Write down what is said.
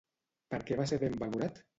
Per què va ser ben valorat?